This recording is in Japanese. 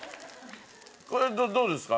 これどどうですか？